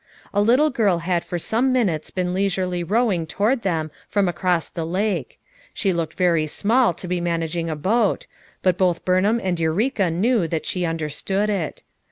A little girl had for some minutes been leisurely rowing toward them from across the lake. She looked very small to be managing a FOUR MOTHERS AT CHAUTAUQUA 203 boat, but both Burnham and Eureka knew that she understood it.